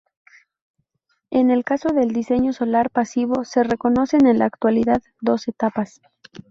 En el caso del diseño solar pasivo se reconocen en la actualidad dos etapas.